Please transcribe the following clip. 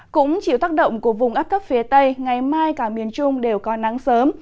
cũng chiều tác động của vùng áp cấp phía tây ngày mai cả miền trung đều có nắng sớm